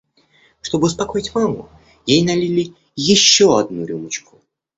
Чтобы успокоить маму, ей налили еще одну рюмочку.